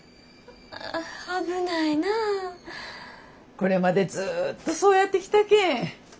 これまでずっとそうやってきたけん。